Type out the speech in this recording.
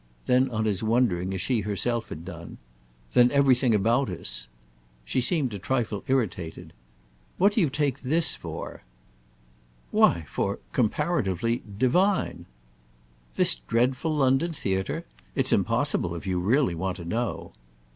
Then on his wondering as she herself had done: "Than everything about us." She seemed a trifle irritated. "What do you take this for?" "Why for—comparatively—divine!" "This dreadful London theatre? It's impossible, if you really want to know."